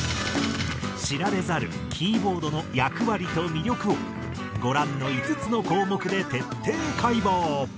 知られざるキーボードの役割と魅力をご覧の５つの項目で徹底解剖。